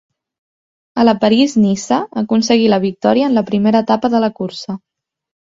A la París-Niça aconseguí la victòria en la primera etapa de la cursa.